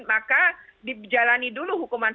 maka dijalani dulu hukuman